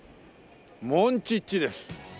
モンチッチです。